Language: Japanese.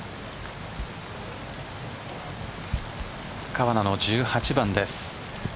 川奈の１８番です。